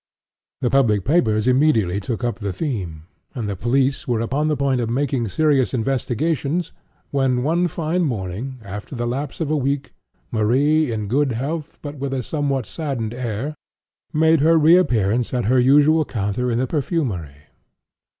The public papers immediately took up the theme, and the police were upon the point of making serious investigations, when, one fine morning, after the lapse of a week, Marie, in good health, but with a somewhat saddened air, made her re appearance at her usual counter in the perfumery.